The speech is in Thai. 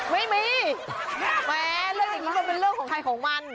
ไม่มีแม้เรื่องอย่างนี้มันเป็นเรื่องของใครของมัน